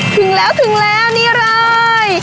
ถึงแล้วถึงแล้วนี่เลย